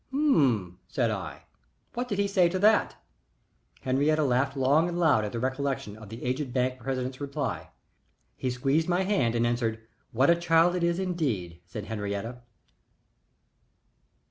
"H'm!" said I. "What did he say to that?" Henriette laughed long and loud at the recollection of the aged bank president's reply. "He squeezed my hand and answered, 'What a child it is, indeed!'" said Henriette.